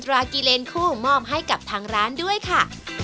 รากิเลนคู่มอบให้กับทางร้านด้วยค่ะ